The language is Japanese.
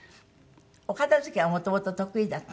お片付けはもともと得意だった？